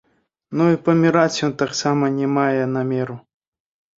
Ну і паміраць ён таксама не мае намеру.